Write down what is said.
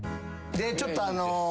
ちょっとあの。